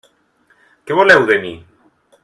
Què voleu de mi?